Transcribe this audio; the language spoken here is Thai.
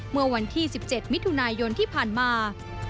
เมื่อวันที่๑๗มิถุนายนที่ผ่านมา